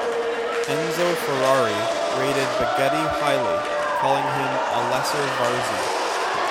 Enzo Ferrari rated Baghetti highly, calling him, 'a lesser Varzi'.